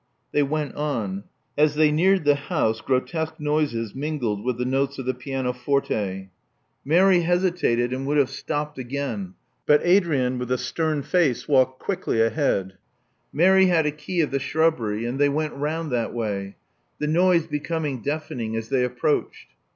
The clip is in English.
They went on. As they neared the house, grotesque noises mingled with the notes of the pianoforte. Mary Love Among the Artists 49 hesitated, and would have stopped again ; but Adrian, with a stern face, walked quickly ahead. Mary had a key of the shrubbery; and they went round that way, the noise becoming deafening as they approached.